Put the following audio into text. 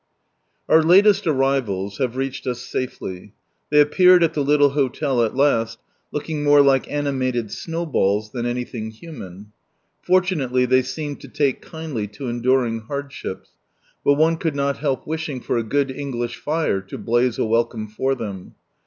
Our latest arrivals have reached us safely. They appeared at the little hotel at last, looking more Hlce animated snowballs, than anything human. Fortunately they seemed to take kindly to enduring hardships, but one could not help wishing for a good English fire to blaze a welcome for ihem.